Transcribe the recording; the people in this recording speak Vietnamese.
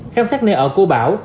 khám sát nơi ở cô bảo